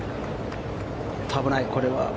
危ない、これは。